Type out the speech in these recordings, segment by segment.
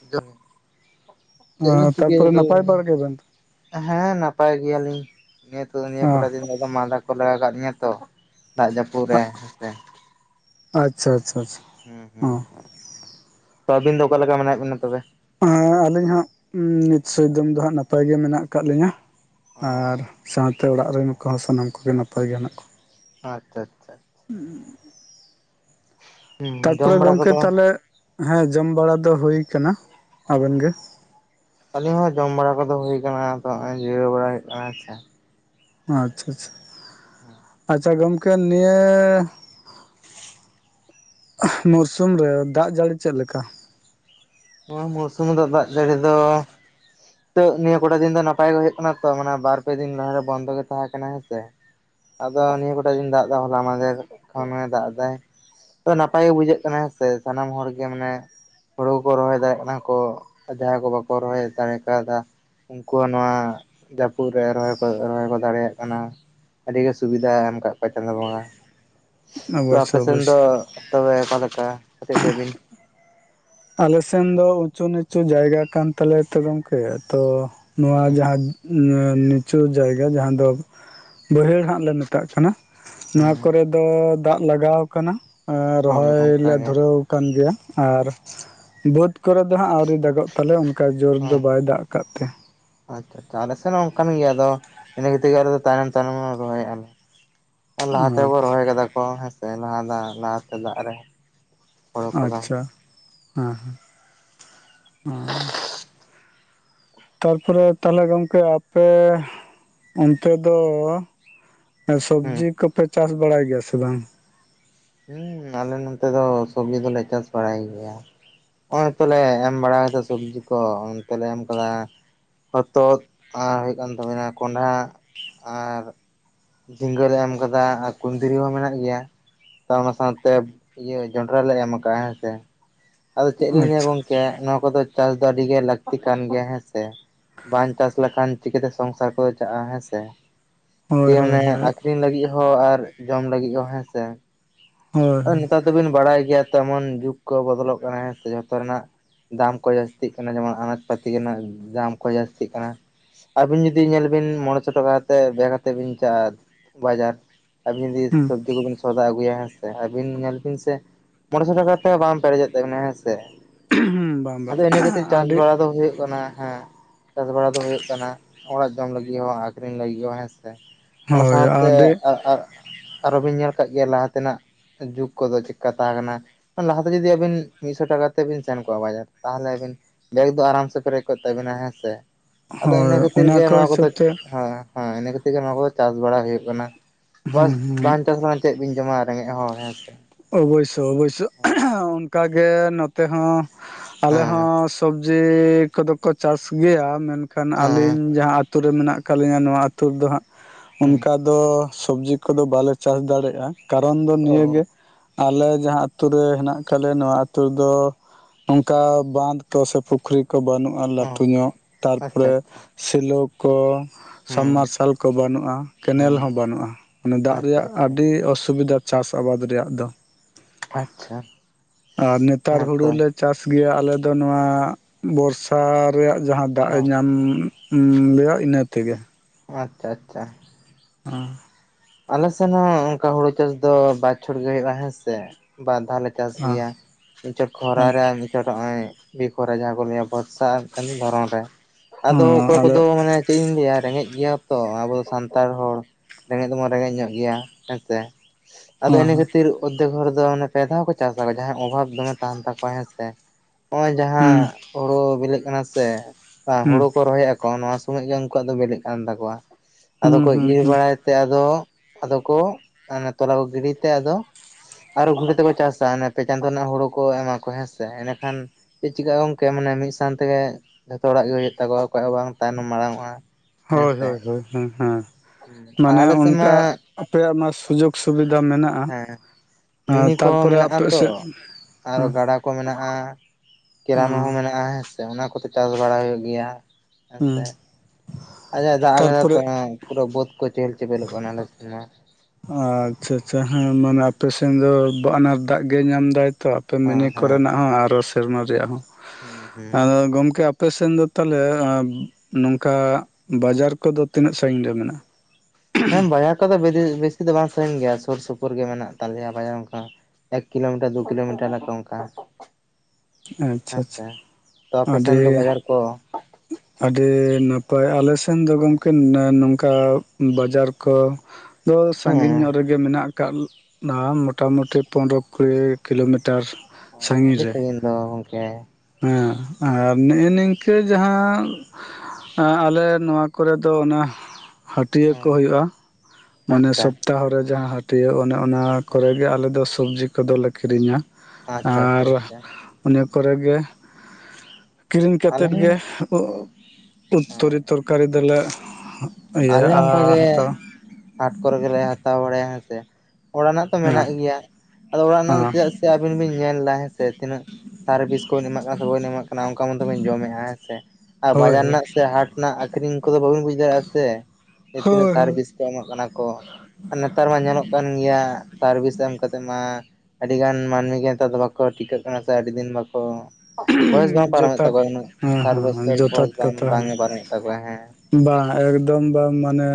[unintelligible] ᱪᱮᱫ ᱵᱤᱱ ᱚ ᱪᱤᱠᱟᱭᱟ ᱛᱟᱨᱯᱚᱨᱮ ᱫᱚ ᱱᱟᱯᱟᱭ ᱜᱚᱢᱠᱮ? ᱵᱟᱲᱟ ᱜᱮᱭᱟᱵᱮᱱ ᱦᱮᱸ ᱱᱟᱯᱟᱭ ᱜᱮᱭᱟᱞᱤᱧ ᱱᱤᱭᱟᱹ [unintelligible] ᱱᱤᱭᱟᱹ ᱚ ᱠᱚᱴᱟ ᱫᱤᱱ ᱨᱮ ᱢᱟᱞᱫᱟ ᱠᱚ ᱞᱟᱜᱟᱣ ᱟᱠᱟᱫ ᱞᱤᱧᱟ ᱛᱚ ᱫᱟᱜ ᱡᱟᱹᱯᱩᱫ ᱨᱮ ᱦᱮᱸᱥᱮ ᱾ ᱟᱪᱪᱷᱟ ᱟᱪᱪᱷᱟ ᱟᱪᱪᱷᱟ ᱾ ᱦᱩᱸ ᱦᱩᱸ ᱛᱚ ᱟᱹᱵᱤᱱ ᱫᱚ ᱚᱠᱟ ᱞᱮᱠᱟ ᱢᱮᱱᱟᱜ ᱵᱤᱱᱟ ᱛᱚᱵᱮ? ᱦᱮᱸ ᱟᱞᱤᱧ ᱦᱚᱸ ᱱᱤᱛ ᱥᱩᱭᱫᱚᱢ ᱫᱚ ᱦᱟᱸᱜ ᱱᱟᱯᱟᱭ ᱜᱮ ᱢᱮᱱᱟᱜ ᱟᱠᱟᱫ ᱞᱤᱧᱟ᱾ ᱟᱨ ᱚ ᱥᱟᱶᱛᱮ ᱚᱲᱟᱜ ᱨᱮᱱ ᱠᱚᱦᱚᱸ ᱥᱟᱱᱟᱢ ᱠᱚᱜᱮ ᱱᱟᱯᱟᱭ ᱜᱮ ᱦᱮᱱᱟᱜ ᱠᱚᱣᱟ ᱾ ᱟᱪᱪᱷᱟ ᱟᱪᱪᱷᱟ᱾ [unintelligible] ᱦᱩᱸ ᱡᱚᱢ ᱛᱟᱨᱯᱚᱨᱮ ᱵᱟᱲᱟ ᱜᱚᱝᱠᱮ ᱠᱚᱫᱚ? ᱛᱟᱦᱚᱞᱮ ᱦᱮᱸ ᱡᱚᱢ ᱵᱟᱲᱟ ᱫᱚ ᱦᱳᱭ ᱠᱟᱱᱟ, ᱚ ᱟᱵᱮᱱ ᱜᱮ? ᱟᱹᱞᱤᱧ ᱦᱚᱸ ᱡᱚᱢ ᱵᱟᱲᱟ ᱠᱚᱫᱚ ᱦᱩᱭ ᱠᱟᱱᱟ ᱟᱫᱚ ᱡᱤᱨᱟᱹᱣ ᱵᱟᱲᱟ ᱦᱩᱭᱩᱜ ᱠᱟᱱᱟ ᱦᱮ ᱥᱮ᱾ ᱟᱪᱪᱷᱟ ᱟᱪᱪᱷᱟ, ᱟᱪᱪᱷᱟ ᱜᱚᱝᱠᱮ ᱱᱤᱭᱟᱹ ᱢᱩᱨᱥᱩᱢ ᱨᱮ ᱫᱟᱜ ᱡᱟᱹᱲᱤ ᱪᱮᱫ ᱞᱮᱠᱟ? ᱱᱚᱣᱟ ᱢᱩᱲᱥᱩᱢ ᱨᱮᱫᱚ ᱫᱟᱜ ᱡᱟᱹᱲᱤ ᱫᱚ ᱛᱳ ᱱᱤᱭᱟᱹ ᱠᱚᱴᱟ ᱫᱤᱱ ᱫᱚ ᱱᱟᱯᱟᱭ ᱜᱮ ᱦᱩᱭᱩᱜ ᱠᱟᱱᱟ ᱛᱚ ᱢᱟᱱᱮ ᱵᱟᱨ ᱯᱮ ᱫᱤᱱ ᱞᱟᱦᱟᱨᱮ ᱵᱚᱱᱫᱚ ᱜᱮ ᱛᱟᱦᱮᱸ ᱠᱟᱱᱟ ᱦᱮᱸ ᱥᱮ ᱾ ᱟᱫᱚ ᱱᱤᱭᱟᱹ ᱜᱚᱴᱟᱜ ᱫᱤᱱ ᱫᱟᱜ ᱫᱟ ᱦᱚᱞᱟ ᱢᱟᱫᱷᱮᱨ ᱠᱷᱚᱱᱮ ᱫᱟᱜ ᱫᱟᱭ ᱾ ᱱᱟᱯᱟᱭ ᱜᱮ ᱵᱩᱡᱷᱟᱹᱜ ᱠᱟᱱᱟ ᱦᱮᱸᱥᱮ ᱥᱟᱱᱟᱢ ᱦᱚᱲ ᱜᱮ ᱢᱟᱱᱮ ᱦᱩᱲᱩ ᱠᱚ ᱨᱚᱦᱚᱭ ᱫᱟᱲᱮᱭᱟᱜ ᱠᱟᱱᱟ ᱠᱚ ᱡᱟᱦᱟᱸᱭ ᱠᱚ ᱵᱟᱠᱚ ᱨᱚᱦᱚᱭ ᱫᱟᱲᱮ ᱠᱟᱣᱫᱟ ᱩᱱᱠᱩ ᱦᱚᱸ ᱱᱚᱣᱟ ᱡᱟᱹᱯᱩᱫ ᱨᱮ ᱨᱚᱦᱚᱭ ᱠᱚ ᱨᱚᱦᱚᱭ ᱠᱚ ᱫᱟᱲᱮᱭᱟᱜ ᱠᱟᱱᱟ᱾ ᱟᱹᱰᱤᱜᱮ ᱥᱩᱵᱤᱫᱟ ᱮᱢ ᱠᱟᱫ ᱠᱚᱣᱟ ᱪᱟᱸᱫᱳ ᱵᱚᱸᱜᱟ᱾ ᱛᱚ ᱟᱯᱮ ᱚᱵᱚᱥᱥᱳᱭ ᱥᱮᱱ ᱫᱚ ᱚᱵᱚᱥᱥᱳᱭ ᱛᱚᱵᱮ ᱚᱠᱟᱞᱮᱠᱟ ᱠᱟᱹᱴᱤᱡ ᱞᱟᱹᱭ ᱵᱤᱱ, ᱟᱞᱮᱥᱮᱱ ᱫᱚ ᱩᱪᱩ ᱱᱤᱪᱩ ᱡᱟᱭᱜᱟ ᱠᱟᱱ ᱛᱟᱞᱮᱭᱟ ᱛᱚ ᱜᱚᱝᱠᱮ ᱛᱚ ᱱᱚᱣᱟ ᱡᱟᱦᱟᱸ ᱱᱤᱪᱩ ᱡᱟᱭᱜᱟ ᱡᱟᱦᱟᱸ ᱫᱚ ᱵᱟᱹᱭᱦᱟᱹᱲ ᱦᱟᱸᱜ ᱞᱮ ᱢᱮᱛᱟᱜ ᱠᱟᱱᱟ᱾ ᱦᱮᱸ ᱱᱚᱣᱟ ᱠᱚᱨᱮ ᱫᱚ ᱫᱟᱜ ᱞᱟᱜᱟᱣ ᱠᱟᱱᱟ ᱟᱨ ᱦᱳᱭ ᱨᱚᱦᱚᱭ ᱚᱱᱠᱟ ᱞᱮ ᱜᱮ ᱫᱷᱩᱨᱟᱹᱣ ᱠᱟᱱ ᱜᱮᱭᱟ ᱾ ᱟᱨ ᱵᱟᱹᱫᱽ ᱠᱚᱨᱮ ᱫᱚ ᱦᱟᱸᱜ ᱟᱹᱣᱨᱤ ᱫᱟᱜᱚᱜ ᱛᱟᱞᱮᱭᱟ ᱚᱱᱠᱟ ᱡᱳᱨ ᱫᱚ ᱦᱮᱸ ᱵᱟᱭ ᱫᱟᱜ ᱠᱟᱫ ᱛᱮ᱾ ᱟᱪᱪᱷᱟ ᱟᱞᱮ ᱥᱮᱱ ᱚᱱᱠᱟᱱ ᱜᱮᱭᱟ ᱟᱫᱚ ᱤᱱᱟᱹ ᱠᱷᱟᱹᱛᱤᱨ ᱛᱮᱜᱮ ᱟᱞᱮ ᱫᱚ ᱛᱟᱭᱱᱚᱢ ᱛᱟᱭᱱᱚᱢ ᱞᱮ ᱨᱚᱦᱚᱭ ᱮᱫ-ᱟ᱾ ᱟᱨ ᱞᱟᱦᱟ ᱛᱮᱦᱚ ᱠᱚ ᱨᱚᱦᱚᱭ ᱠᱟᱫᱟ ᱠᱚ ᱦᱮᱸᱥᱮ ᱞᱟᱦᱟ ᱞᱟᱦᱟ ᱛᱮ ᱫᱟᱜ ᱨᱮ᱾ ᱦᱳᱲᱳ ᱠᱚᱫᱚ ᱟᱪᱪᱷᱟ [unintelligible] ᱛᱟᱨᱯᱚᱨᱮ ᱛᱟᱦᱚᱞᱮ ᱜᱚᱝᱠᱮ ᱟᱯᱮ ᱚᱱᱛᱮ ᱫᱚ ᱦᱩᱸ ᱥᱚᱵᱽᱡᱤ ᱠᱚᱯᱮ ᱪᱟᱥ ᱵᱟᱲᱟᱭ ᱜᱮᱭᱟ ᱥᱮ ᱵᱟᱝ᱾ ᱦᱩᱸ ᱟᱞᱮ ᱱᱚᱛᱮ ᱫᱚ ᱥᱚᱵᱡᱤ ᱫᱚᱞᱮ ᱪᱟᱥ ᱵᱟᱲᱟᱭ ᱜᱮᱭᱟ᱾ ᱱᱚᱜᱚᱭ ᱛᱚᱞᱮ ᱮᱢ ᱵᱟᱲᱟ ᱠᱟᱫᱟ ᱥᱚᱵᱽᱡᱤ ᱠᱚ ᱚᱱᱛᱮ ᱞᱮ ᱮᱢ ᱠᱟᱫᱟ, ᱦᱚᱛᱚᱫ ᱟᱨ ᱦᱩᱭᱩᱜ ᱠᱟᱱ ᱛᱟᱵᱤᱱᱟ ᱠᱚᱸᱰᱷᱟ ᱟᱨ ᱡᱷᱤᱸᱜᱟᱹ ᱞᱮ ᱮᱢ ᱠᱟᱫᱟ ᱟᱨ ᱠᱩᱱᱫᱽᱨᱤ ᱦᱚᱸ ᱢᱮᱱᱟᱜ ᱜᱮᱭᱟ᱾ ᱚᱱᱟ ᱥᱟᱶᱛᱮ ᱤᱭᱟᱹ ᱡᱚᱱᱰᱨᱟ ᱞᱮ ᱮᱢ ᱠᱟᱫᱼᱟ ᱦᱮᱸᱥᱮ᱾ ᱟᱫᱚ ᱪᱮᱫ ᱞᱤᱧ ᱞᱟᱹᱭᱟ ᱟᱪᱪᱷᱟ ᱜᱚᱝᱠᱮ ᱱᱚᱣᱟ ᱠᱚᱫᱚ ᱪᱟᱥ ᱫᱚ ᱟᱹᱰᱤ ᱜᱮ ᱞᱟᱹᱠᱛᱤ ᱠᱟᱱ ᱜᱮᱭᱟ ᱦᱮᱸ ᱥᱮ᱾ ᱵᱟᱝ ᱪᱟᱥ ᱞᱮᱠᱷᱟᱱ ᱪᱤᱠᱟᱹᱛᱮ ᱥᱚᱝᱥᱟᱨ ᱠᱚᱫᱚ ᱪᱟᱜᱼᱟ ᱦᱮᱸᱥᱮ᱾ ᱦᱳᱭ ᱫᱤᱭᱮ ᱦᱳᱭ ᱚᱱᱮ ᱦᱳᱭ ᱟᱹᱠᱷᱨᱤᱧ ᱞᱟᱹᱜᱤᱫ ᱦᱚᱸ ᱟᱨ ᱡᱚᱢ ᱞᱟᱹᱜᱤᱫ ᱦᱚᱸ ᱦᱮᱸᱥᱮ ᱦᱳᱭ ᱱᱮᱛᱟᱨ ᱫᱚᱵᱤᱱ ᱵᱟᱲᱟᱭ ᱜᱮᱭᱟ ᱛᱮᱢᱚᱱ ᱡᱩᱜᱽ ᱠᱚ ᱵᱚᱫᱚᱞᱚᱜ ᱠᱟᱱᱟ ᱦᱮᱸ ᱥᱮ ᱡᱷᱚᱛᱚ ᱨᱮᱱᱟᱜ᱾ ᱫᱟᱢ ᱠᱚ ᱡᱟᱹᱥᱛᱤᱜ ᱠᱟᱱᱟ ᱡᱮᱢᱚᱱ ᱟᱱᱟᱡᱽᱯᱟᱹᱛᱤ ᱨᱮᱱᱟᱜ ᱫᱟᱢ ᱠᱚ ᱡᱟᱹᱥᱛᱤᱜ ᱠᱟᱱᱟ᱾ ᱟᱹᱵᱤᱱ ᱡᱩᱫᱤ ᱧᱮᱞ ᱵᱤᱱ ᱢᱚᱬᱮ ᱥᱚ ᱴᱟᱠᱟ ᱠᱟᱛᱮᱫ ᱵᱮᱜ ᱟᱛᱮ ᱵᱤᱱ ᱪᱟᱜᱼᱟ ᱵᱟᱡᱟᱨ ᱟᱹᱵᱤᱱ ᱡᱩᱫᱤ ᱥᱚᱵᱽᱡᱤ ᱠᱚᱵᱤᱱ ᱥᱚᱫᱟ ᱟᱹᱜᱩᱭᱟ ᱦᱮᱸ ᱟᱹᱵᱤᱱ ᱧᱮᱞ ᱵᱤᱱ ᱥᱮ ᱢᱚᱬᱮ ᱥᱚ ᱴᱟᱠᱟ ᱛᱮ ᱦᱚᱸ ᱵᱟᱝ ᱯᱮᱨᱮᱡᱚᱜ ᱛᱟᱵᱤᱱᱟ ᱦᱮᱸ ᱥᱮ᱾ ᱦᱩᱸ ᱵᱟᱝ ᱵᱟᱝ ᱟᱫᱚ ᱤᱱᱟᱹ ᱠᱷᱟᱹᱛᱤᱨ ᱪᱟᱥ ᱟᱹᱰᱤ ᱵᱟᱲᱟ ᱫᱚ ᱦᱩᱭᱩᱜ ᱠᱟᱱᱟ ᱦᱮᱸ᱾ ᱪᱟᱥ ᱵᱟᱲᱟ ᱫᱚ ᱦᱩᱭᱩᱜ ᱠᱟᱱᱟ ᱚᱲᱟᱜ ᱡᱚᱢ ᱞᱟᱹᱜᱤᱫ ᱦᱚᱸ ᱟᱹᱠᱷᱨᱤᱧ ᱞᱟᱹᱜᱤᱫ ᱦᱚᱸ ᱦᱮᱸ ᱥᱮ᱾ ᱚᱱᱟ ᱦᱳᱭ ᱥᱟᱶᱛᱮ ᱟᱹᱰᱤ ᱟᱨ ᱟᱨ ᱟᱨᱚᱵᱤᱱ ᱧᱮᱞ ᱠᱟᱜ ᱜᱮᱭᱟ ᱞᱟᱦᱟ ᱛᱮᱱᱟᱜ ᱡᱩᱜᱽ ᱠᱚᱫᱚ ᱪᱮᱫᱠᱟ ᱛᱟᱦᱮᱸ ᱠᱟᱱᱟ᱾ ᱞᱟᱦᱟᱛᱮ ᱡᱩᱫᱤ ᱟᱹᱵᱤᱱ ᱢᱤᱫᱥᱚ ᱴᱟᱠᱟ ᱟᱛᱮᱫ ᱵᱤᱱ ᱥᱮᱱ ᱠᱚᱜᱼᱟ ᱵᱟᱡᱟᱨ ᱛᱟᱦᱚᱞᱮ ᱟᱹᱵᱤᱱ ᱵᱮᱜᱽ ᱫᱚ ᱟᱨᱟᱢ ᱥᱮ ᱯᱮᱨᱮᱡ ᱠᱚᱜ ᱛᱟᱵᱮᱱᱟ ᱦᱮᱸ ᱥᱮ, ᱟᱫᱚ ᱦᱳᱭ ᱤᱱᱟᱹ ᱠᱷᱟᱹᱛᱤᱨ ᱚᱱᱟ ᱜᱮ ᱠᱚ ᱱᱚᱣᱟ ᱠᱚᱫᱚ ᱦᱤᱥᱟᱹᱵ ᱛᱮ ᱦᱮᱸ ᱦᱮᱸ ᱤᱱᱟᱹ ᱠᱷᱟᱹᱛᱤᱨ ᱜᱮ ᱱᱚᱣᱟ ᱠᱚᱫᱚ ᱪᱟᱥ ᱵᱟᱲᱟ ᱦᱩᱭᱩᱜ ᱠᱟᱱᱟ, ᱵᱟᱥ ᱦᱩᱸ ᱦᱩᱸ ᱵᱟᱝ ᱪᱟᱥ ᱞᱮᱠᱷᱟᱱ ᱪᱮᱫ ᱵᱤᱱ ᱡᱚᱢᱟ ᱨᱮᱸᱜᱮᱡ ᱦᱚᱲ᱾ ᱦᱮᱸ ᱥᱮ᱾ ᱚᱵᱚᱥᱳ ᱚᱵᱚᱥᱳ ᱦᱳᱭ ᱚᱱᱠᱟᱜᱮ ᱱᱚᱛᱮ ᱦᱚᱸ ᱟᱞᱮ ᱦᱮᱸ ᱦᱚᱸ ᱥᱚᱵ ᱡᱤ ᱠᱚᱫᱚ ᱠᱚ ᱪᱟᱥ ᱜᱮᱭᱟ ᱢᱮᱱᱠᱷᱟᱱ ᱦᱮᱸ ᱟᱹᱞᱤᱧ ᱡᱟᱦᱟᱸ ᱟᱛᱳ ᱨᱮ ᱢᱮᱱᱟᱜ ᱟᱠᱟᱫ ᱞᱤᱧᱟ ᱱᱚᱣᱟ ᱟᱛᱳ ᱨᱮᱫᱚ ᱦᱟᱸᱜ ᱦᱮᱸ ᱚᱱᱠᱟ ᱫᱚ ᱥᱚᱵᱽᱡᱤ ᱠᱚᱫᱚ ᱵᱟᱞᱮ ᱪᱟᱥ ᱫᱟᱲᱮᱭᱟᱜᱼᱟ᱾ ᱠᱟᱨᱚᱱ ᱫᱚ ᱚ ᱱᱤᱭᱟᱹᱜᱮ ᱟᱞᱮ ᱡᱟᱦᱟᱸ ᱟᱛᱳ ᱨᱮ ᱦᱮᱱᱟᱜ ᱟᱠᱟᱫ ᱞᱮᱭᱟ ᱱᱚᱣᱟ ᱟᱛᱳ ᱨᱮᱫᱚ ᱚᱱᱠᱟ ᱵᱟᱸᱫᱽ ᱠᱚ ᱥᱮ ᱯᱩᱠᱷᱨᱤ ᱠᱚ ᱵᱟᱹᱱᱩᱜ ᱟᱨ ᱚ ᱞᱟᱹᱴᱩ ᱧᱚᱜ ᱟᱪᱪᱷᱟ ᱛᱟᱨᱯᱚᱨᱮ ᱟᱪᱪᱷᱟ ᱥᱮᱞᱚ ᱠᱚ, ᱥᱟᱢ ᱦᱩᱸ ᱢᱟᱨᱥᱟᱞ ᱠᱚ ᱵᱟᱹᱱᱩᱜ-ᱟ, ᱠᱮᱱᱮᱞ ᱦᱚᱸ ᱦᱩᱸ ᱵᱟᱹᱱᱩᱜ-ᱟ, ᱢᱟᱱᱮ ᱫᱟᱜ ᱟᱪᱪᱷᱟ ᱨᱮᱭᱟᱜ ᱟᱪᱪᱷᱟ ᱟᱹᱰᱤ ᱚᱥᱩᱵᱤᱫᱟ᱾ ᱪᱟᱥ ᱟᱵᱟᱫᱽ ᱨᱮᱭᱟᱜ ᱫᱚ᱾ ᱟᱪᱪᱷᱟ ᱟᱨ ᱱᱮᱛᱟᱨ ᱦᱮᱸ ᱛᱚ᱾ ᱦᱩᱲᱩ ᱞᱮ ᱪᱟᱥ ᱜᱮᱭᱟ ᱟᱞᱮ ᱫᱚ ᱱᱚᱣᱟ, ᱵᱚᱨᱥᱟ ᱨᱮᱭᱟᱜ ᱡᱟᱦᱟᱸ ᱫᱟᱜ ᱮ ᱚ ᱧᱟᱢ ᱦᱩᱸ [unintelligible] ᱤᱱᱟᱹ ᱛᱮᱜᱮ᱾ ᱟᱪᱪᱷᱟ, ᱟᱪᱪᱷᱟ᱾ ᱚᱸ ᱟᱞᱮ ᱥᱮᱱ ᱦᱚᱸ ᱚᱱᱠᱟ ᱦᱳᱲᱩ ᱪᱟᱥ ᱫᱚ ᱵᱟᱪᱷᱚᱨ ᱜᱮ ᱦᱩᱭᱩᱜᱭ-ᱟ᱾ᱦᱮᱸᱥᱮ ᱵᱟᱨ ᱫᱷᱟᱣᱞᱮ ᱪᱟᱥ ᱜᱮᱭᱟ [unintelligible] ᱠᱷᱚᱨᱟ ᱨᱮ ᱪᱚᱴ ᱱᱚᱜᱚᱭ ᱵᱤᱨ ᱠᱚᱨᱮ ᱡᱟᱦᱟᱸ ᱠᱚ ᱞᱟᱹᱭᱟ᱾ ᱵᱚᱨᱥᱟ ᱫᱷᱚᱨᱚᱱ ᱨᱮ ᱟᱫᱚ ᱚᱠᱚᱭ ᱠᱚᱫᱚ ᱟᱞᱮ ᱢᱟᱱᱮ ᱪᱮᱫ ᱤᱧ ᱞᱟᱹᱭᱟ, ᱨᱮᱸᱜᱮᱡ ᱜᱮᱭᱟ ᱛᱚ ᱟᱵᱚ ᱥᱟᱱᱛᱟᱲ ᱦᱚᱲ᱾ ᱨᱮᱸᱜᱮᱡ ᱫᱚ ᱵᱚᱱ ᱨᱮᱸᱜᱮᱡ ᱧᱚᱜ ᱜᱮᱭᱟ᱾ ᱦᱮᱸᱥᱮ ᱟᱫᱚ ᱤᱱᱟᱹ ᱦᱮᱸ ᱠᱷᱟᱹᱛᱤᱨ ᱚᱫᱽᱮᱠ ᱦᱚᱲ ᱫᱚ ᱯᱮ ᱫᱷᱟᱣ ᱦᱚᱸ ᱠᱚ ᱪᱟᱥᱟ᱾ ᱡᱟᱦᱟᱸᱭᱭᱟᱜ ᱚᱵᱷᱟᱵᱽ ᱫᱚᱢᱮ ᱛᱟᱦᱮᱱ ᱛᱟᱠᱚᱣᱟ ᱦᱮᱸ ᱥᱮ᱾ ᱱᱚᱜ ᱚᱭ ᱡᱟᱦᱟᱸ ᱦᱮᱸ ᱦᱳᱲᱩ ᱵᱤᱞᱤᱜ ᱠᱟᱱᱟ ᱥᱮ ᱦᱩᱸ ᱦᱳᱲᱳ ᱠᱚ ᱨᱚᱦᱚᱭᱮᱜ-ᱟ ᱱᱚᱣᱟ ᱥᱚᱢᱚᱜ ᱜᱮ ᱩᱱᱠᱩᱣᱟᱜ ᱫᱚ ᱵᱮᱞᱤᱜ ᱠᱟᱱ ᱛᱟᱠᱚᱣᱟ᱾ ᱟᱫᱚ ᱦᱩᱸ ᱠᱚ ᱦᱩᱸ ᱤᱨ ᱦᱩᱸ ᱵᱟᱲᱟᱭ ᱛᱮ ᱟᱫᱚ ᱟᱫᱚ ᱠᱚ ᱛᱚᱞᱟ ᱠᱚ ᱜᱤᱰᱤᱭ ᱛᱮ ᱟᱫᱚ ᱟᱨᱚ ᱜᱷᱩᱨᱤ ᱛᱮᱠᱚ ᱪᱟᱥᱟ ᱾ᱚᱱᱮ ᱯᱮ ᱪᱟᱸᱫᱳ ᱨᱮᱱᱟᱜ ᱦᱩᱲᱩ ᱠᱚ ᱮᱢᱟ ᱠᱚ ᱦᱮᱸ ᱥᱮ ᱮᱸᱱᱮᱠᱷᱟᱱ ᱪᱮᱫ ᱪᱤᱠᱟ ᱜᱚᱝᱠᱮ ᱢᱟᱱᱮ ᱢᱤᱫ ᱥᱟᱶᱛᱮᱜᱮ ᱡᱷᱚᱛᱚ ᱦᱚᱲᱟᱜ ᱜᱮ ᱦᱩᱭᱩᱜ ᱛᱟᱠᱚᱣᱟ᱾ ᱚᱠᱚᱭᱟᱜ ᱦᱚᱸ ᱵᱟᱝ ᱛᱟᱭᱱᱚᱢ ᱢᱟᱲᱟᱝ ᱚᱜ-ᱟ᱾ ᱦᱳᱭ, ᱦᱳᱭ, ᱦᱳᱭ, ᱦᱮᱸ ᱟᱨ ᱢᱟᱱᱮ ᱟᱞᱮ ᱥᱮᱫ ᱚᱱᱠᱟ ᱢᱟ ᱟᱯᱮᱭᱟᱜ ᱢᱟ ᱥᱩᱡᱩᱜᱽ ᱥᱩᱵᱤᱫᱷᱟ ᱢᱮᱱᱟᱜ-ᱟ᱾ ᱦᱮᱸ ᱟᱸ ᱢᱤᱱᱤ ᱠᱚᱦᱚᱸ ᱛᱟᱨᱯᱚᱨᱮ ᱢᱮᱱᱟᱜᱼᱟ ᱟᱯᱮ ᱛᱚ ᱥᱮᱜ ᱦᱮᱸ᱾ ᱟᱨᱚ ᱜᱟᱰᱟ ᱠᱚ ᱢᱮᱱᱟᱜ-ᱟ᱾ᱠᱮᱨᱟᱱᱩ ᱦᱚᱸ ᱦᱮᱸ ᱢᱮᱱᱟᱜ-ᱟ, ᱦᱮᱸᱥᱮ ᱚᱱᱟ ᱠᱚᱛᱮ ᱪᱟᱥ ᱵᱟᱲᱟ ᱦᱳᱭᱩᱜ ᱜᱮᱭᱟ ᱾ ᱦᱮᱸ ᱥᱮᱜ᱾ ᱟᱪᱪᱟ ᱛᱟᱨᱯᱚᱨᱮ [unintelligible] ᱯᱩᱨᱟᱹ ᱵᱳᱫ ᱠᱚ ᱪᱮᱦᱮᱞ ᱪᱮᱯᱮᱞᱚᱜ ᱠᱟᱱᱟᱞᱮ ᱪᱮᱫ ᱢᱟ᱾ ᱟᱪᱪᱷᱟ, ᱟᱪᱪᱷᱟ, ᱦᱮᱸ ᱢᱟᱱᱮ ᱟᱯᱮᱥᱮᱱ ᱫᱚ ᱵᱟ ᱫᱟᱜ ᱜᱮ ᱧᱟᱢᱫᱟᱭ᱾ ᱛᱚ ᱟᱯᱮ ᱢᱟ᱾ ᱢᱤᱱᱤ ᱦᱮᱸ ᱦᱮᱸ ᱠᱚᱨᱮᱱᱟᱜ ᱦᱚᱸ ᱟᱨᱚ ᱥᱮᱨᱢᱟ ᱨᱮᱭᱟᱜ ᱦᱚᱸ, ᱦᱩᱸ ᱦᱩᱸ ᱟᱫᱚ ᱜᱚᱢᱠᱮ? ᱟᱯᱮ ᱥᱮᱱ ᱫᱚ ᱛᱟᱦᱚᱞᱮ ᱱᱚᱝᱠᱟ? ᱵᱟᱡᱟᱨ ᱠᱚᱫᱚ ᱛᱤᱱᱟᱹᱜ ᱥᱟᱺᱜᱤᱧ ᱨᱮ ᱢᱮᱱᱟᱜ-ᱟ? ᱦᱮᱸ ᱵᱟᱡᱟᱨ ᱠᱚᱫᱚ ᱵᱮ ᱵᱮᱥᱤ ᱫᱚ ᱵᱟᱝ ᱥᱟᱹᱜᱤᱧ ᱜᱮᱭᱟ ᱾ᱥᱩᱨ ᱥᱩᱯᱩᱨ ᱜᱮ ᱢᱮᱱᱟᱜ ᱛᱟᱞᱮᱭᱟ ᱵᱟᱡᱟᱨ ᱚᱝᱠᱟ᱾ ᱮᱠ ᱠᱤᱞᱳᱢᱤᱴᱟᱨ ᱫᱩ ᱠᱤᱞᱳᱢᱤᱴᱟᱨ ᱚᱝᱠᱟ᱾ ᱦᱮᱸ ᱟᱪᱪᱷᱟ ᱟᱪᱪᱷᱟ ᱥᱮ ᱛᱚ ᱟᱯᱮ ᱥᱮᱱ ᱫᱚ ᱟᱹᱰᱤ ᱵᱟᱡᱟᱨ ᱠᱚ ᱟᱹᱰᱤ ᱱᱟᱯᱟᱭ᱾ ᱟᱞᱮ ᱥᱮᱱ ᱫᱚ ᱦᱮᱸ ᱜᱚᱢᱠᱮ ᱱᱚᱝᱠᱟ ᱵᱟᱡᱟᱨ ᱠᱚ ᱛᱚ ᱥᱟᱺᱜᱤᱧ ᱧᱚᱜ ᱨᱮᱜ ᱜᱮ ᱢᱮᱱᱟᱜ ᱟᱠᱟᱫ-ᱟ᱾ ᱢᱚᱴᱟ ᱢᱩᱴᱤ ᱯᱚᱱᱨᱚ ᱠᱩᱨᱤ ᱠᱤᱞᱳᱢᱤᱴᱟᱨᱥ᱾ ᱚ ᱟᱹᱰᱤ ᱥᱟᱺᱜᱤᱧ ᱫᱚ ᱜᱚᱝᱠᱮ᱾ ᱦᱮᱸ ᱟᱨ ᱱᱤᱜ ᱮ ᱱᱤᱝᱠᱟᱹ ᱡᱟᱦᱟᱸ᱾ ᱟᱞᱮ ᱱᱚᱶᱟ ᱠᱚᱨᱮ ᱫᱚ ᱚᱱᱟ ᱦᱟᱹᱴᱤᱭᱟᱹ ᱦᱮᱸ ᱠᱚ ᱦᱩᱭᱩᱜ-ᱟ᱾ ᱢᱟᱱᱮ ᱟᱪᱪᱷᱟ ᱥᱚᱯᱛᱟᱦᱚᱨᱮ ᱡᱟᱦᱟᱸ ᱦᱟᱹᱴᱤᱭᱟᱹ ᱚᱱᱮ ᱚᱱᱟ ᱦᱮᱸ ᱠᱚᱨᱮ ᱜᱮ ᱟᱞᱮ ᱫᱚ ᱥᱚᱵᱽᱡᱤ ᱠᱚᱫᱚᱞᱮ ᱠᱤᱨᱤᱧᱟ᱾ ᱟᱪᱪᱷᱟ ᱟᱪᱪᱷᱟ ᱟᱨ ᱟᱪᱪᱷᱟ ᱚᱧᱮᱹ ᱠᱚᱨᱮ ᱜᱮ ᱠᱤᱨᱤᱧ ᱟᱞᱮ ᱠᱟᱛᱮᱫ ᱦᱚᱸ ᱜᱮ ᱩ ᱦᱮᱸ ᱛᱩᱨᱤ ᱛᱚᱨᱠᱟᱨᱤ ᱫᱚᱞᱮ ᱟᱹᱭᱟᱹ ᱟᱞᱮ ᱟᱸᱸ ᱚᱱᱠᱟᱜᱮ ᱦᱟᱛᱟᱣᱟ᱾ ᱦᱟᱴ ᱠᱚᱨᱮ ᱜᱮᱞᱮ ᱦᱟᱛᱟᱣ ᱵᱟᱲᱟᱭᱟ ᱦᱮᱸ ᱥᱮ, ᱚᱲᱟᱜ ᱨᱮᱱᱟᱜ ᱛᱚ ᱦᱮᱸ ᱢᱮᱱᱟᱜ ᱦᱮᱸ ᱜᱮᱭᱟ᱾ ᱟᱫᱚ ᱚᱲᱟᱜ ᱨᱮᱱᱟᱜ ᱫᱚ ᱪᱮᱫᱟᱜ ᱥᱮ? ᱟᱵᱤᱱ ᱵᱤᱱ ᱧᱮᱞ ᱮᱫᱟ ᱦᱮᱸ ᱥᱮ ᱛᱤᱱᱟᱹᱜ? ᱥᱟᱨ ᱵᱤᱥ ᱠᱚᱧ ᱮᱢᱟᱜ ᱠᱟᱱᱟ ᱥᱮ ᱵᱟᱹᱧ ᱮᱢᱟᱜ ᱠᱟᱱᱟ᱾ ᱚᱱᱠᱟ ᱢᱚᱱᱛᱮᱵᱚᱱ ᱡᱚᱢᱮᱫ-ᱟ ᱾ᱦᱮᱸᱥᱮ ᱟᱨ ᱦᱳᱭ ᱵᱟᱡᱟᱨ ᱦᱳᱭ ᱨᱮᱱᱟᱜ ᱥᱮ ᱦᱟᱴ ᱱᱟ ᱟᱹᱠᱷᱨᱤᱧ ᱠᱚᱫᱚ ᱵᱟᱹᱵᱤᱱ ᱵᱩᱡ ᱫᱟᱲᱮᱭᱟᱜ-ᱟ᱾ ᱥᱮ ᱛᱤᱱᱟᱹᱜ ᱦᱳᱭ ᱥᱟᱨᱵᱤᱥ ᱦᱳᱭ ᱠᱚ ᱮᱢᱟᱜ ᱠᱟᱱᱟ ᱠᱚ᱾ ᱟᱨ ᱱᱮᱛᱟᱨ ᱢᱟ ᱧᱮᱞᱚᱜ ᱠᱟᱱ᱾ ᱜᱮᱭᱟ, ᱥᱟᱨ-ᱵᱤᱥ ᱮᱢ ᱠᱟᱛᱮᱜ ᱢᱟ ᱟᱹᱰᱤ ᱜᱟᱱ ᱢᱟᱹᱱᱢᱤ ᱜᱮ ᱱᱮᱛᱟᱨ ᱫᱚ ᱵᱟᱠᱚ ᱴᱤᱠᱟᱹᱜ ᱠᱟᱱᱟ ᱥᱮ ᱟᱹᱫᱤᱱ ᱵᱟᱠᱚ ᱵᱚᱭᱮᱥ ᱵᱟᱝ ᱯᱟᱨᱚᱢᱮᱫ ᱡᱚᱛᱷᱟᱛ ᱛᱟᱠᱚᱣᱟ ᱩᱱᱟᱹᱜ, ᱦᱮᱸ ᱥᱟᱨ ᱦᱮᱸ ᱵᱚᱪᱷᱚᱨ ᱵᱚᱭᱮᱥ ᱡᱚᱛᱷᱟᱛ ᱵᱟᱝ ᱠᱟᱛᱷᱟ ᱦᱮᱸ ᱵᱟᱝᱮ ᱯᱟᱨᱚᱢᱮᱫ ᱛᱟᱠᱚᱣᱟ ᱦᱮᱸ᱾ ᱵᱟᱝ ᱮᱠᱫᱚᱢ ᱵᱟᱝ, ᱢᱟᱱᱮ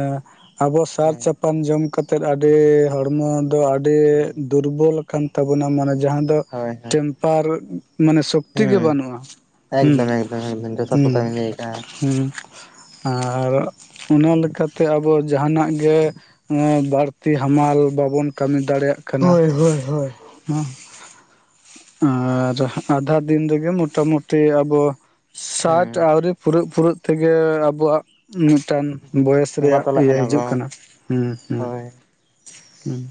ᱟᱵᱚ ᱥᱟᱨ ᱦᱮᱸ ᱪᱟᱯ ᱵᱟᱝ ᱡᱚᱢ ᱠᱟᱛᱮᱫ ᱟᱹᱰᱤ ᱦᱚᱲᱢᱚ ᱫᱚ ᱟᱹᱰᱤ ᱦᱩᱸ ᱫᱩᱨᱵᱚᱞ ᱠᱟᱱ ᱛᱟᱵᱚᱱᱟ ᱢᱟᱱᱮ ᱡᱟᱦᱟᱸ ᱫᱚ ᱦᱳᱭ ᱦᱳᱭ ᱴᱮᱢᱯᱟᱨ ᱢᱟᱱᱮ ᱥᱟᱹᱠ ᱛᱤ ᱜᱮ ᱦᱩᱸ ᱵᱟᱹᱱᱩᱜᱼᱟ᱾ ᱦᱩᱸ ᱮᱠᱫᱚᱢ ᱮᱠᱫᱚᱢ ᱮᱠᱫᱚᱢ ᱡᱚᱛᱷᱟᱛ ᱦᱩᱸ ᱠᱟᱛᱷᱟ ᱵᱤᱱ ᱞᱟᱹᱭ ᱠᱟᱜᱼᱟ᱾ ᱦᱩᱸ, ᱟᱨ ᱚᱱᱟ ᱞᱮᱠᱟᱛᱮ ᱟᱵᱚ ᱡᱟᱦᱟᱱᱟᱜ ᱜᱮ ᱚᱸ ᱵᱟᱹᱲᱛᱤ ᱦᱟᱢᱟᱞ ᱵᱟᱵᱚᱱ ᱠᱟᱹᱢᱤ ᱫᱟᱲᱮᱭᱟᱜ ᱦᱳᱭ ᱦᱳᱭ ᱦᱳᱭ, ᱚᱸ ᱟᱨ ᱟᱫᱷᱟ ᱫᱤᱱ ᱨᱮᱜᱮ ᱢᱚᱴᱟ ᱢᱩᱴᱤ ᱟᱵᱚ ᱥᱟᱴ ᱦᱩᱸ ᱟᱹᱣᱨᱤ ᱯᱷᱩᱨᱟᱹᱜ ᱯᱷᱩᱨᱟᱹᱜ ᱛᱮᱜᱮ ᱟᱵᱚᱣᱟᱜ ᱢᱤᱫᱴᱟᱝ ᱵᱚᱭᱮᱥ ᱚᱱᱟ ᱨᱮᱭᱟᱜ ᱛᱟᱞᱟᱜ ᱤᱭᱟᱹ ᱦᱤᱡᱩᱜ ᱠᱚ ᱠᱟᱱᱟ ᱦᱩᱸ ᱦᱩᱸ ᱦᱩᱸ ᱾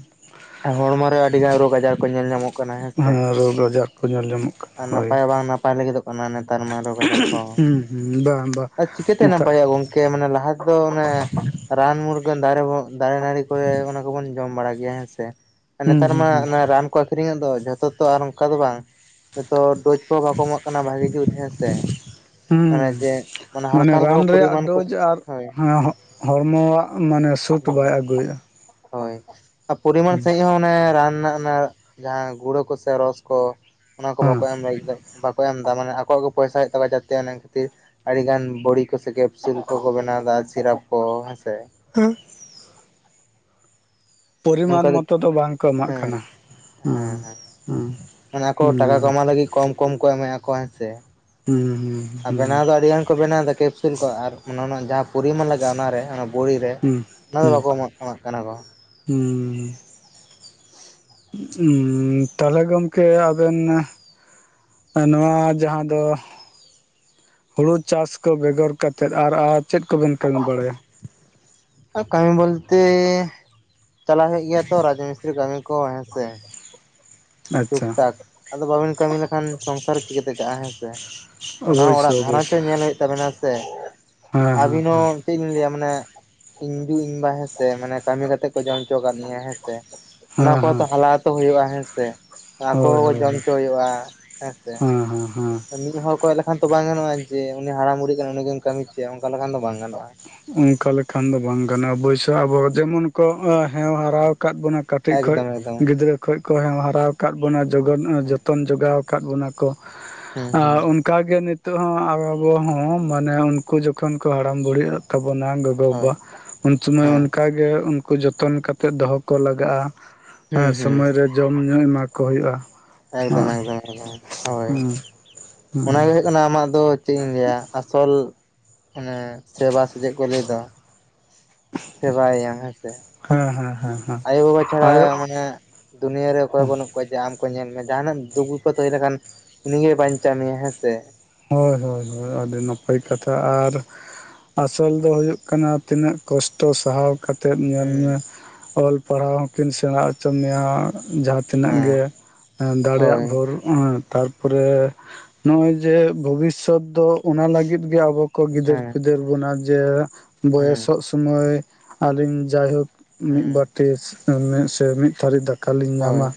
ᱟᱨ ᱦᱚᱲᱢᱚ ᱨᱮ ᱟᱹᱰᱤᱜᱟᱱ ᱨᱳᱜᱽ ᱟᱡᱟᱨ ᱠᱚ ᱧᱮᱞ ᱧᱟᱢᱚᱜ ᱠᱟᱱᱟ ᱦᱮᱸ ᱥᱮ, ᱨᱳᱜᱽ ᱟᱡᱟᱨ ᱠᱚ ᱧᱮᱞ ᱧᱟᱢᱚᱜ ᱠᱟᱱᱟ ᱟᱨ ᱦᱳᱭ ᱱᱟᱯᱟᱭ ᱦᱚᱸ ᱵᱟᱝ ᱱᱟᱯᱟᱭ ᱞᱟᱹᱜᱤᱫᱚᱜ ᱠᱟᱱᱟ ᱱᱮᱛᱟᱨ ᱢᱟ ᱨᱳᱜᱽ ᱟᱡᱟᱨ ᱠᱚ᱾ ᱦᱩᱸ ᱵᱟᱝ ᱵᱟᱝ ᱱᱤᱛᱟᱜ ᱠᱟᱹᱡ ᱢᱟᱱᱮ ᱞᱟᱦᱟ ᱠᱷᱚᱡ ᱢᱟᱱᱮ ᱨᱟᱱ ᱢᱩᱨᱜᱟᱹᱱ ᱫᱟᱨᱮ ᱵᱚᱦᱚᱜ ᱫᱟᱨᱮ ᱱᱟᱹᱲᱤ ᱠᱚᱨᱮ ᱚᱱᱟ ᱠᱚᱵᱚᱱ ᱡᱚᱢ ᱵᱟᱲᱟ ᱜᱮᱭᱟ ᱦᱮᱸ ᱥᱮ᱾ ᱦᱩᱸ ᱱᱮᱛᱟᱨ ᱦᱩᱸ ᱢᱟ ᱦᱩᱸ ᱚᱱᱟ ᱨᱟᱱ ᱠᱚ ᱟᱠᱷᱨᱤᱧ ᱮᱫ ᱫᱚ ᱡᱷᱚᱛᱚ ᱛᱚ ᱟᱨ ᱚᱱᱠᱟ ᱫᱚ ᱵᱟᱝ᱾ ᱡᱚᱛᱚ ᱦᱚᱲ ᱰᱳᱡᱽ ᱠᱚᱦᱟᱸ ᱵᱟᱠᱚ ᱮᱢᱟᱜ ᱠᱟᱱᱟ ᱵᱷᱟᱜᱤ ᱡᱩᱛ ᱦᱮᱸ ᱥᱮ᱾ ᱦᱩᱸ ᱚᱱᱮ ᱡᱮ ᱚᱱᱟ ᱦᱟᱞᱠᱟ ᱢᱟᱱᱮ ᱦᱟᱞᱠᱟ ᱨᱟᱱ ᱠᱚ ᱨᱮᱭᱟᱜ ᱯᱩᱨᱤᱢᱟᱱ ᱠᱚ ᱰᱳᱡᱽ ᱟᱨ ᱦᱳᱭ ᱦᱮᱸ ᱦᱚᱸ ᱜ ᱦᱚᱲᱢᱚ-ᱟᱜ ᱢᱟᱱᱮ ᱥᱩᱴ ᱦᱩᱸ᱾ ᱵᱟᱭ ᱟᱹᱜᱩᱭᱜ-ᱟ᱾ ᱦᱳᱭ ᱟ ᱯᱩᱨᱤᱢᱟᱱ ᱥᱟᱺᱦᱤᱡ ᱦᱚᱸ ᱚᱱᱮ ᱨᱟᱱ ᱨᱮᱱᱟᱜ ᱚᱱᱟ ᱡᱟᱦᱟᱸ ᱜᱩᱲᱟᱹ ᱠᱚ ᱥᱮ ᱨᱚᱥ ᱠᱚ ᱚᱱᱟ ᱠᱚ ᱵᱟᱠᱚ ᱮᱢ ᱞᱟᱹᱜᱤᱫᱽᱚᱜ ᱾ ᱵᱟᱠᱚ ᱮᱢ ᱫᱟ ᱢᱟᱱᱮ ᱟᱠᱚᱣᱟᱜ ᱜᱮ ᱯᱚᱭᱥᱟ ᱦᱩᱭᱩᱜ ᱛᱟᱠᱚᱣᱟ ᱡᱟᱛᱮ ᱚᱱᱟ ᱠᱷᱟᱹᱛᱤᱨ ᱟᱹᱰᱤ ᱜᱟᱱ ᱵᱳᱲᱤ ᱠᱚ ᱥᱮ ᱠᱮᱯᱥᱩᱞ ᱠᱚ ᱠᱚ ᱵᱮᱱᱟᱣ ᱮᱫᱟ ᱥᱤᱨᱟᱯ ᱠᱚ ᱦᱮᱸ ᱥᱮ ᱾ ᱦᱮᱸ ᱾ ᱯᱚᱨᱤᱢᱟᱱ ᱢᱚᱛᱚ ᱫᱚ ᱵᱟᱝ ᱠᱚ ᱮᱢᱟᱜ ᱦᱮᱸ ᱠᱟᱱᱟ᱾ ᱦᱮᱸ ᱦᱟᱸ ᱦᱮᱸ ᱦᱟᱸ ᱢᱟᱱᱮ ᱟᱠᱚ ᱴᱟᱠᱟ ᱠᱟᱢᱟᱣ ᱞᱟᱹᱜᱤᱫ ᱠᱚᱢ ᱠᱚᱢ ᱠᱚ ᱮᱢᱮᱜ ᱟᱠᱚ ᱦᱮᱸᱥᱮ᱾ ᱦᱩᱸ ᱦᱩᱸ ᱾ ᱟᱨ ᱵᱮᱱᱟᱣ ᱫᱚ ᱟᱹᱰᱤ ᱜᱟᱱ ᱠᱚ ᱵᱮᱱᱟᱣ ᱮᱫᱟ ᱠᱮᱯᱥᱩᱞ ᱠᱚ ᱟᱨ ᱚᱱᱟ ᱚᱱᱟ ᱡᱟᱦᱟᱸ ᱯᱚᱨᱤᱢᱟᱱ ᱞᱟᱜᱟᱜᱼᱟ ᱚᱱᱟᱨᱮ ᱵᱳᱲᱤ ᱨᱮ ᱦᱩᱸ ᱚᱱᱟ ᱫᱚ ᱦᱩᱸ ᱵᱟᱠᱚ ᱮᱢᱟᱜ ᱮᱢᱟᱜ ᱠᱟᱱᱟ ᱠᱚ᱾ ᱦᱩᱸ, [unintelligible] ᱩᱸ ᱛᱟᱦᱚᱞᱮ ᱜᱚᱝᱠᱮ ᱟᱵᱮᱱ ᱱᱚᱣᱟ ᱡᱟᱦᱟᱸ ᱫᱚ ᱦᱳᱲᱳ ᱪᱟᱥ ᱠᱚ ᱵᱮᱜᱚᱨ ᱠᱛᱮᱫᱽ ᱟᱨ ᱟᱨ ᱪᱮᱫ ᱠᱚᱵᱮᱱ ᱠᱟᱹᱢᱤ ᱵᱟᱲᱟᱭᱟ? ᱠᱟᱹᱢᱤ ᱵᱚᱞᱛᱮ ᱪᱟᱞᱟᱣ ᱦᱩᱭᱩᱜ ᱜᱮᱭᱟ ᱛᱚ ᱨᱟᱡ ᱢᱤᱥᱛᱨᱤ ᱠᱟᱹᱢᱤ ᱠᱚ ᱦᱮᱸᱥᱮ᱾ ᱴᱩᱠ ᱟᱪᱪᱷᱟ ᱴᱟᱠ ᱟᱫᱚ ᱵᱟᱵᱤᱱ ᱠᱟᱹᱢᱤ ᱞᱮᱠᱷᱟᱱ ᱥᱚᱝᱥᱟᱨ ᱪᱤᱠᱟᱹᱛᱮ ᱠᱟᱜᱼᱟ ᱦᱮᱸ ᱥᱮ᱾ ᱚᱱᱟ ᱦᱚᱸ ᱚᱲᱟᱜ ᱚᱵᱚᱥᱥᱳᱭ ᱜᱷᱟᱨᱚᱸᱡᱽ ᱚᱵᱚᱥᱥᱳᱭ ᱦᱚᱸ ᱧᱮᱞ ᱦᱩᱭᱩᱜ ᱛᱟᱵᱤᱱᱟ ᱥᱮ ᱦᱮᱸ ᱦᱮᱸ ᱟᱵᱤᱱ ᱦᱚᱸ ᱪᱮᱜᱞᱤᱧ ᱞᱟᱹᱭᱟ ᱢᱟᱱᱮ ᱤᱧ ᱡᱩ ᱤᱧ ᱵᱟ ᱦᱮᱸᱥᱮ ᱢᱟᱱᱮ ᱠᱟᱹᱢᱤ ᱠᱟᱛᱮᱜ ᱠᱚ ᱡᱚᱢ ᱦᱚᱪᱚ ᱠᱟᱜ ᱞᱤᱧᱟᱹ ᱦᱮᱸᱥᱮ᱾ ᱚᱱᱟ ᱦᱮᱸ ᱠᱚ ᱦᱚᱸ ᱛᱚ ᱦᱮᱸ ᱦᱮᱸ ᱦᱟᱞᱟ ᱚᱛᱚ ᱦᱩᱭᱩᱜᱼᱟ ᱦᱮᱸᱥᱮ᱾ ᱟᱠᱚ ᱦᱳᱭ ᱦᱚᱸ ᱠᱚ ᱦᱳᱭ ᱡᱚᱢ ᱦᱳᱭ ᱦᱚᱪᱚ ᱦᱩᱭᱩᱜᱼᱟ ᱦᱮᱸ ᱥᱮ ᱦᱮᱸ ᱦᱮᱸ ᱢᱤᱫ ᱦᱚᱲ ᱠᱚᱭᱚᱜ ᱞᱮᱠᱷᱟᱱ ᱛᱚ ᱵᱟᱝ ᱜᱟᱱᱚᱜᱼᱟ ᱡᱮ ᱩᱱᱤ ᱦᱟᱲᱟᱢ ᱵᱩᱲᱷᱤᱜ ᱠᱟᱱᱟᱭᱮ ᱩᱱᱤ ᱜᱮᱢ ᱠᱟᱹᱢᱤ ᱦᱚᱪᱚᱭᱟ ᱚᱱᱠᱟ ᱞᱮᱠᱷᱟᱱ ᱫᱚ ᱵᱟᱝ ᱜᱟᱱᱚᱜᱼᱟ᱾ ᱚᱱᱠᱟ ᱞᱮᱠᱷᱟᱱ ᱫᱚ ᱵᱟᱝ ᱜᱟᱱᱚᱜᱼᱟ ᱚᱵᱟᱹᱭᱥᱳ ᱦᱳᱭ ᱟᱵᱚ ᱦᱳᱭ ᱡᱮᱢᱚᱱ ᱠᱚ ᱦᱮᱣ ᱦᱮᱸ ᱦᱟᱨᱟᱣ ᱠᱟᱫ ᱵᱚᱱᱟ ᱠᱟᱴᱤᱡ ᱠᱷᱚᱡ ᱮᱠᱫᱚᱢ ᱮᱠᱫᱚᱢ ᱜᱤᱫᱽᱨᱟᱹ ᱠᱷᱚᱡ ᱠᱚ ᱦᱮᱣ ᱦᱟᱨᱟᱣ᱾ ᱠᱟᱫ ᱵᱚᱱᱟ ᱡᱚᱜᱚᱱ ᱦᱩᱸ ᱡᱚᱛᱚᱱ ᱡᱚᱜᱟᱣ ᱠᱟᱫ ᱵᱚᱱᱟᱣ ᱠᱚ ᱦᱩᱸ ᱟ ᱦᱩᱸ ᱠᱟᱜᱮ ᱜᱮ ᱱᱤᱛᱚᱜ ᱦᱚᱸ ᱟᱵᱚ ᱟᱵᱚᱴᱣᱟᱜ ᱦᱚᱸ ᱢᱟᱱᱮ ᱩᱱᱠᱩ ᱡᱚᱠᱷᱚᱱ ᱠᱚ ᱦᱟᱲᱟᱢ ᱵᱩᱲᱦᱤᱜ ᱛᱟᱵᱚᱱᱟ ᱜᱚ ᱜᱚ, ᱦᱳᱭ ᱵᱟᱵᱟ ᱩᱱ ᱥᱚᱢᱚᱭ ᱦᱚ ᱦᱮᱸ ᱚᱱᱠᱟᱜᱮ ᱩᱱᱠᱩ ᱡᱚᱛᱚᱱ ᱠᱟᱛᱮᱫ ᱫᱚᱦᱚ ᱠᱚ ᱞᱟᱜᱟᱜᱼᱟ᱾ ᱦᱮᱸ ᱦᱩᱸ ᱦᱩᱸ ᱥᱚᱢᱚᱭ ᱨᱮ ᱡᱚᱢ ᱧᱩ ᱮᱢᱟ ᱠᱚ ᱦᱩᱭᱩᱜᱼᱟ᱾ ᱮᱠᱫᱚᱢ ᱦᱮᱸ ᱮᱠᱫᱚᱢ ᱮᱠᱫᱚᱢ ᱮᱠᱫᱚᱢ ᱦᱳᱭ ᱦᱩᱸ ᱚᱱᱟᱱᱟᱜᱮ ᱦᱩᱭᱩᱜ ᱠᱟᱱᱟ ᱟᱢᱟᱜ ᱫᱚ ᱪᱮᱫ ᱤᱧ ᱞᱟᱹᱭᱟ ᱟᱥᱚᱞ ᱢᱟᱱᱮ ᱥᱮᱵᱟ ᱥᱮ ᱪᱮᱫ ᱠᱚ ᱞᱟᱹᱭ ᱫᱚ᱾ ᱥᱮᱵᱟᱭ-ᱭᱟᱢ ᱦᱮᱸ ᱥᱮ᱾ ᱦᱟᱸ ᱦᱟᱸ ᱦᱟᱸ᱾ ᱟᱭᱳ ᱵᱟᱵᱟ ᱪᱷᱟᱲᱟ ᱢᱟᱱᱮ ᱫᱩᱱᱭᱟᱹᱨᱮ ᱚᱠᱚᱭ ᱵᱟᱹᱱᱩᱜ ᱠᱚᱣᱟ ᱡᱮ ᱟᱢ ᱠᱚ ᱧᱮᱞ ᱢᱮ ᱡᱟᱦᱟᱱᱟᱜ ᱫᱩᱠ ᱵᱤᱯᱚᱫ ᱦᱩᱭ ᱞᱮᱠᱷᱟᱱ᱾ ᱩᱱᱤ ᱜᱮ ᱵᱟᱧᱪᱟᱣ ᱢᱮᱭᱟ ᱦᱮᱸ ᱥᱮ᱾ ᱦᱳᱭ ᱦᱳᱭ ᱦᱳᱭ ᱟᱹᱰᱤ ᱱᱟᱯᱟᱭ ᱠᱟᱛᱷᱟ ᱦᱮᱸ ᱟᱨ ᱟᱥᱚᱞ ᱫᱚ ᱦᱩᱭᱩᱜ ᱠᱟᱱᱟ ᱛᱤᱱᱟᱹᱜ ᱠᱚᱥᱴᱚ ᱥᱟᱦᱟᱣ ᱠᱟᱛᱮᱫ ᱥᱮ ᱧᱮᱞ ᱢᱮ ᱦᱩᱸ ᱚᱞ ᱯᱟᱲᱦᱟᱣ ᱦᱚᱸᱠᱤᱱ ᱥᱮᱬᱟ ᱪᱚ ᱢᱮᱭᱟ ᱡᱟᱦᱟᱸ ᱛᱤᱱᱟᱹᱜ ᱜᱮ ᱦᱮᱸ ᱮᱸ ᱫᱟᱲᱮᱭᱟᱜ ᱦᱳᱭ ᱵᱷᱳᱨ ᱮᱸ ᱾ ᱛᱟᱨᱯᱚᱨᱮ ᱱᱚᱜᱼᱚᱭ ᱡᱮ ᱵᱷᱚᱵᱤᱥᱚᱛ ᱫᱚ᱾ ᱚᱱᱟ ᱞᱟᱹᱜᱤᱫ ᱜᱮ ᱟᱵᱚ ᱠᱚ ᱜᱤᱫᱟᱹᱨ ᱦᱮᱸ ᱯᱤᱫᱟᱹᱨ ᱵᱚᱱᱟ ᱡᱮ ᱦᱮᱸ ᱵᱚᱭᱮᱥᱚᱜ ᱥᱩᱢᱚᱭ ᱟᱞᱤᱧ ᱡᱟᱭᱦᱳᱠ ᱢᱤᱫ ᱦᱮᱸ ᱵᱟᱴᱤ ᱥᱮᱢᱮᱫ ᱥᱮᱢᱮᱫ ᱛᱷᱟᱹᱨᱤ ᱫᱟᱠ ᱠᱟᱞᱤᱧ ᱦᱳᱭ ᱧᱟᱢᱟ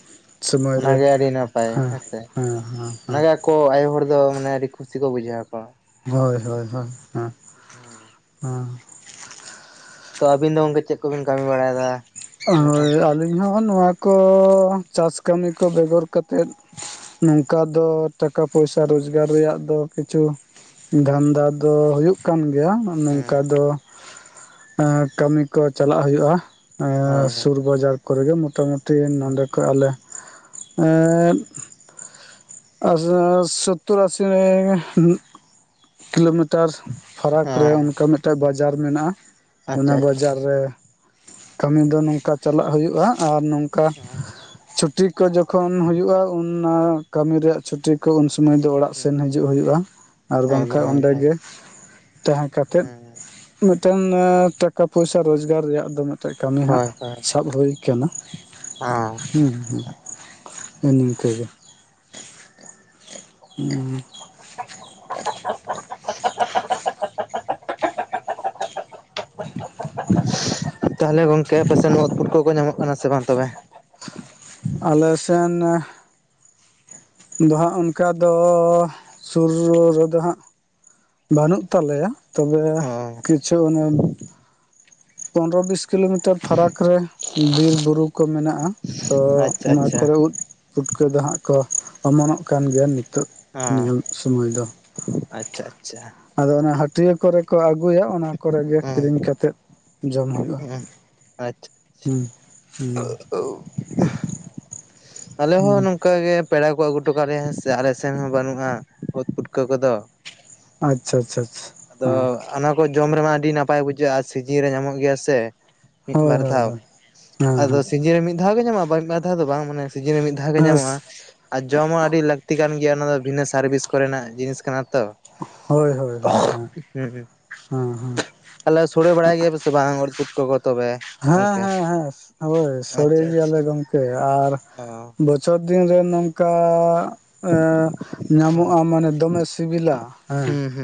ᱥᱳᱢᱚᱭ ᱨᱮ ᱚᱱᱟᱜᱮ ᱟᱹᱰᱤ ᱦᱮᱸ ᱦᱮᱸ ᱦᱮᱸ ᱦᱮᱸ᱾ ᱠᱚ ᱟᱭᱳ ᱦᱚᱲ ᱫᱚ ᱢᱟᱱᱮ ᱟᱹᱰᱤ ᱠᱩᱥᱤ ᱠᱚ ᱵᱩᱡᱷᱟᱹᱣᱟ ᱠᱚ᱾ ᱦᱳᱭ ᱦᱳᱭ ᱦᱳᱭ ᱦᱮᱸ᱾ ᱦᱮᱸ᱾ ᱦᱮᱸ ᱛᱚ ᱟᱵᱤᱱ ᱫᱚ ᱚᱝᱜᱷᱤ ᱪᱮᱫ ᱠᱚᱵᱤᱱ ᱠᱟᱹᱢᱤ ᱵᱟᱲᱟᱭᱮᱫᱟ? ᱤᱱᱟᱹᱠᱷᱟᱱ ᱦᱳᱭ ᱟᱹᱞᱤᱧ ᱦᱚᱸ ᱱᱚᱣᱟ ᱠᱚ ᱪᱟᱥ ᱠᱟᱹᱢᱤ ᱠᱚ ᱵᱮᱜᱚᱨ ᱠᱟᱛᱮᱫ ᱱᱚᱝᱠᱟ ᱫᱚ ᱴᱟᱠᱟ ᱯᱚᱭᱥᱟ ᱨᱳᱡᱽᱜᱟᱨ ᱨᱮᱭᱟᱜ ᱫᱚ ᱠᱤᱪᱷᱩ ᱫᱷᱟᱸᱱᱫᱟ ᱫᱚ ᱦᱩᱭᱩᱜ ᱠᱟᱱ ᱜᱮᱭᱟ᱾ ᱱᱚᱝᱠᱟ ᱦᱮᱸ ᱫᱚ ᱮᱸ ᱠᱟᱹᱢᱤ ᱠᱚ ᱪᱟᱞᱟᱜ ᱦᱩᱭᱩᱜᱼᱟ᱾ ᱦᱳᱭ ᱮᱸ ᱦᱳᱭ ᱥᱩᱨ ᱵᱟᱡᱟᱨ ᱠᱚᱨᱮᱜᱮ ᱢᱚᱴᱟ ᱢᱩᱴᱤ ᱦᱮᱸ ᱱᱚᱰᱮ ᱠᱷᱚᱱ ᱟᱞᱮ ᱮᱸ ᱟᱥᱟᱨ ᱥᱚᱛᱛᱚᱨ ᱟᱥᱤ ᱢᱤ ᱠᱤᱞᱳᱢᱤᱴᱟᱨ ᱯᱷᱟᱨᱟᱠ ᱨᱮ ᱦᱮᱸ ᱚᱱᱠᱟ ᱢᱤᱫᱴᱟᱝ ᱵᱟᱡᱟᱨ ᱢᱮᱱᱟᱜᱼᱟ, ᱚᱱᱟ ᱟᱪᱪᱷᱟ ᱟᱪᱪᱷᱟ ᱵᱟᱡᱟᱨ ᱨᱮ ᱠᱟᱹᱢᱤ ᱫᱚ ᱱᱚᱝᱠᱟ ᱪᱟᱞᱟᱜ ᱦᱩᱭᱩᱜᱼᱟ ᱟᱨ ᱱᱚᱝᱠᱟ ᱦᱮᱸ ᱪᱷᱩᱴᱤ ᱠᱚ ᱡᱚᱠᱷᱚᱱ ᱦᱩᱭᱩᱜᱼᱟ ᱚᱱᱟ ᱠᱟᱹᱢᱤ ᱨᱮᱭᱟᱜ ᱪᱷᱩᱴᱤ᱾ ᱠᱟ ᱩᱱ ᱥᱚᱢᱚᱭ ᱫᱚ ᱚᱲᱟᱜ ᱥᱮᱱ ᱦᱩᱸ ᱦᱤᱡᱩᱜ ᱦᱩᱭᱩᱜᱼᱟ ᱟᱨ ᱮᱠᱫᱚᱢ ᱵᱟᱝᱠᱷᱟᱱ ᱮᱠᱫᱚᱢ ᱚᱱᱰᱮᱜᱮ ᱾ ᱛᱟᱦᱮᱸ ᱠᱟᱛᱮᱫ᱾ ᱦᱮᱸ ᱢᱤᱫᱴᱮᱱ ᱴᱟᱠᱟ ᱯᱚᱭᱥᱟ ᱨᱚᱡᱽᱜᱟᱨ ᱨᱮᱭᱟᱜ ᱫᱚ ᱢᱤᱫ ᱴᱮᱱ ᱠᱟᱹᱢᱤ ᱦᱟᱸᱜ ᱦᱳᱭ ᱦᱳᱭ ᱥᱟᱵ ᱦᱳᱭ ᱠᱟᱱᱟ ᱦᱮᱸ ᱦᱩᱸ ᱮ ᱱᱤᱝᱠᱟᱹ ᱜᱮ᱾ ᱩᱸ᱾ [unintelligible] ᱛᱟᱦᱚᱞᱮ ᱜᱚᱝᱠᱮ ᱯᱟᱥᱮ ᱱᱩᱣᱟ ᱩᱫ ᱯᱩᱴᱠᱟᱹ ᱠᱚᱜᱮ ᱧᱟᱢᱚᱜ ᱠᱟᱱᱟ ᱥᱮ ᱵᱟᱝ ᱛᱚᱵᱮ? ᱟᱞᱮ ᱥᱮᱱ ᱫᱚ ᱦᱟᱸᱜ ᱚᱱᱠᱟ ᱫᱚ ᱥᱩᱨ ᱨᱮᱫᱚ ᱦᱟᱸᱜ᱾ ᱵᱟᱹᱱᱩᱜ ᱛᱟᱞᱮᱭᱟ ᱛᱚᱵᱮ ᱚ ᱠᱤᱪᱷᱩ ᱚᱱᱮ ᱯᱚᱱᱨᱚ ᱵᱤᱥ ᱠᱤᱞᱳᱢᱤᱴᱟᱨ ᱯᱷᱟᱨᱟᱠ ᱨᱮ ᱵᱤᱨ-ᱵᱩᱨᱩ ᱠᱚ ᱢᱮᱱᱟᱜᱼᱟ᱾ ᱛᱚ ᱟᱪᱪᱷᱟ ᱚᱱᱟ ᱟᱪᱪᱷᱟ ᱠᱚᱨᱮ ᱩᱫ ᱯᱩᱴᱠᱟᱹ ᱫᱚ ᱦᱟᱸᱜ ᱠᱚ ᱚᱢᱟᱱᱚᱜ ᱠᱟᱱ ᱜᱮᱭᱟ ᱱᱤᱛᱳᱜ ᱾ ᱦᱮᱸ ᱱᱤᱭᱟᱹ ᱥᱩᱢᱚᱭ ᱫᱚ᱾ ᱟᱪᱪᱷᱟ ᱟᱪᱪᱷᱟ ᱟᱫᱚ ᱚᱱᱟ ᱦᱟᱹᱴᱤᱭᱟᱹ ᱠᱚᱨᱮ ᱠᱚ ᱟᱹᱜᱩᱭᱟ ᱚᱱᱟ ᱠᱚᱨᱮ ᱜᱮ ᱠᱤᱨᱤᱧ ᱠᱟᱛᱮᱜ ᱡᱚᱢ ᱦᱩᱭᱩᱜ᱾ ᱦᱮᱸ ᱟᱪᱪᱷᱟ᱾ ᱦᱩ, ᱸ ᱦᱩᱸ᱾ [unintelligible] ᱟᱞᱮ ᱦᱚᱸ ᱦᱩᱸ ᱱᱚᱝᱠᱟᱜ ᱜᱮ ᱯᱮᱲᱟ ᱠᱚ ᱟᱹᱜᱩ ᱦᱚᱴᱚ ᱠᱟᱜ ᱞᱮᱭᱟ ᱦᱮᱸᱥᱮ ᱟᱞᱮ ᱥᱮᱱ ᱦᱚᱸ ᱵᱟᱹᱱᱩᱜ-ᱟ ᱳᱫ, ᱯᱩᱴᱠᱟᱹ ᱠᱚᱫᱚ᱾ ᱟᱪᱪᱷᱟ, ᱟᱪᱪᱷᱟ, ᱟᱪᱪᱷᱟ᱾ ᱟᱫᱚ ᱦᱚᱸ ᱟᱱᱟ ᱠᱚ ᱡᱚᱢ ᱨᱮᱢᱟ ᱟᱹᱰᱤ ᱱᱟᱯᱟᱭ ᱵᱩᱡᱷᱟᱹᱜ-ᱟ ᱥᱤᱡᱤᱱ ᱨᱮ ᱧᱟᱢᱚᱜ ᱜᱮᱭᱟ ᱥᱮ᱾ ᱢᱤᱫ ᱦᱳᱭ ᱵᱟᱨ ᱦᱳᱭ ᱫᱷᱟᱣ ᱦᱳᱭ ᱦᱮᱸ ᱟᱫᱚ ᱥᱤᱡᱮᱱ ᱨᱮ ᱢᱤᱫ ᱫᱷᱟᱣ ᱜᱮ ᱧᱟᱢᱚᱜ-ᱟ ᱵᱟ ᱵᱟᱨ ᱫᱷᱟᱣ ᱫᱚ ᱵᱟᱝ ᱢᱟᱱᱮ ᱥᱤᱡᱤᱱ ᱨᱮ ᱢᱤᱫ ᱫᱷᱟᱣ ᱜᱮ ᱦᱮᱸ ᱧᱟᱢᱚᱜ-ᱟ᱾ ᱟᱨ ᱡᱚᱢ ᱦᱚᱸ ᱟᱹᱰᱤ ᱞᱟᱹᱠᱛᱤ ᱠᱟᱱ ᱜᱮᱭᱟ ᱚᱱᱟ ᱫᱚ ᱵᱷᱤᱱᱟᱹ ᱥᱟᱨ ᱵᱷᱤᱥ ᱠᱚ ᱨᱮᱱᱟᱜ ᱡᱤᱱᱤᱥ ᱠᱟᱱᱟ᱾ ᱛᱚ ᱦᱳᱭ, ᱦᱳᱭ, ᱦᱳᱭ, ᱦᱳᱭ᱾ ᱦᱩᱸ, ᱦᱩᱸ ᱛᱟᱞᱦᱮ ᱥᱳᱲᱮ ᱵᱟᱲᱟᱭ ᱜᱮᱭᱟ ᱥᱮ ᱵᱟᱝ ᱳᱫ ᱯᱩᱴᱠᱟᱹ ᱠᱚ ᱛᱚᱵᱮ? ᱦᱮᱸ, ᱜᱚᱝᱠᱮ ᱦᱮᱸ, ᱦᱮᱸ ᱦᱳᱭ ᱥᱳᱲᱮ ᱟᱪᱪᱷᱟ ᱜᱮᱭᱟ ᱞᱮ ᱟᱪᱪᱷᱟ ᱜᱚᱝᱠᱮ ᱟᱨ ᱚ ᱚ ᱵᱚᱪᱷᱟᱨ ᱫᱤᱱ ᱨᱮ ᱱᱚᱝᱠᱟ ᱮᱸᱻ ᱧᱟᱢᱚᱜ-ᱟ ᱢᱟᱱᱮ ᱫᱚᱢᱮ ᱥᱤᱵᱤᱞᱟ ᱦᱮᱸ᱾ ᱦᱩᱸ ᱦᱩᱸ